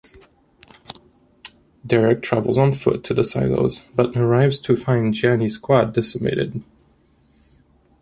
Derrick travels on foot to the silos, but arrives to find Gianni's squad decimated.